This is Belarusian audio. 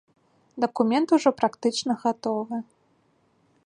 Дакумент ужо практычна гатовы.